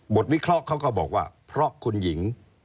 วิเคราะห์เขาก็บอกว่าเพราะคุณหญิง